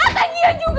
atau dia juga